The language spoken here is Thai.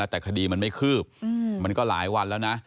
แต่คดีมันไม่คืบมันก็หลายวันแล้วนะ